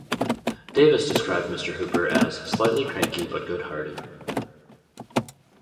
Davis described Mr. Hooper as "slightly cranky but good-hearted".